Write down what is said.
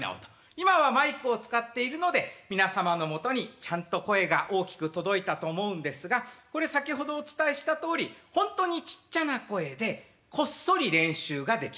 今はマイクを使っているので皆様のもとにちゃんと声が大きく届いたと思うんですがこれ先ほどお伝えしたとおりほんとにちっちゃな声でこっそり練習ができます。